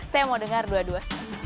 saya mau dengar dua dua